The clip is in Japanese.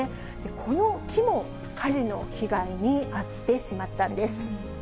この木も火事の被害に遭ってしまったんです。